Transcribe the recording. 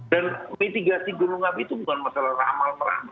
dan mitigasi gunung hati itu bukan masalah ramal ramal